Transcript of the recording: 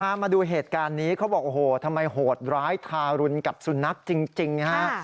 มาดูเหตุการณ์นี้เขาบอกโอ้โหทำไมโหดร้ายทารุณกับสุนัขจริงนะฮะ